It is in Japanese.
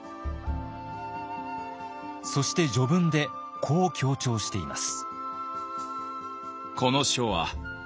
そして序文でこう強調しています。